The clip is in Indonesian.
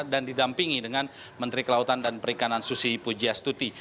dan didampingi dengan menteri kelautan dan perikanan susi pujiastuti